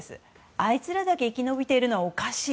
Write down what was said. あいつらだけ生き延びているのはおかしい。